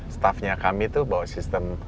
staffnya kami itu bawa sistem